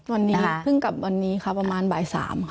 วันนี้เพิ่งกลับวันนี้ค่ะประมาณบ่าย๓ค่ะ